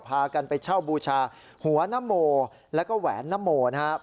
พากันไปเช่าบูชาหัวนโมแล้วก็แหวนนโมนะครับ